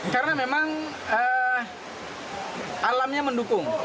karena memang alamnya mendukung